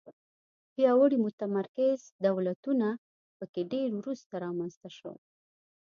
پیاوړي متمرکز دولتونه په کې ډېر وروسته رامنځته شول.